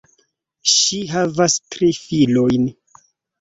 Ŝi havas tri filojn.